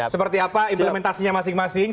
seperti apa implementasinya masing masing